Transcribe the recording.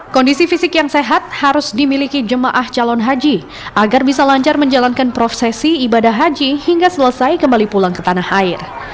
kondisi fisik yang sehat harus dimiliki jemaah calon haji agar bisa lancar menjalankan prosesi ibadah haji hingga selesai kembali pulang ke tanah air